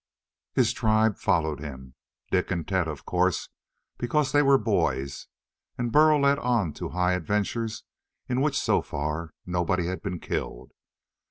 His tribe followed him. Dik and Tet, of course, because they were boys and Burl led on to high adventures in which so far nobody had been killed.